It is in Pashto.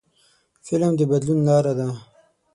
فلم د بدلون لاره ده